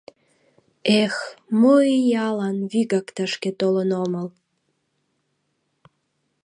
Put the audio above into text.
Эх, мо иялан вигак тышке толын омыл!